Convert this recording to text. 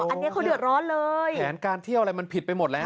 อันนี้เขาเดือดร้อนเลยแผนการเที่ยวอะไรมันผิดไปหมดแล้ว